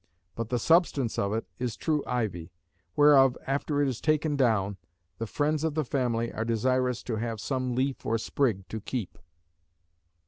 But the substance of it is true ivy; whereof, after it is taken down, the friends of the family are desirous to have some leaf or sprig to keep.